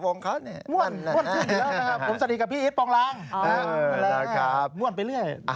ผมสนิทกับพี่อิสปองรังมั่นไปเรื่อย